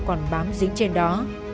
còn bám dính trên đó